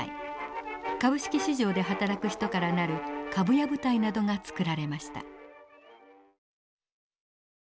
株式市場で働く人から成る株屋部隊などが作られました。